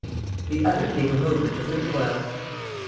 The other gave a movement of recoil.